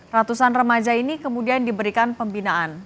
ratusan remaja ini kemudian diberikan pembinaan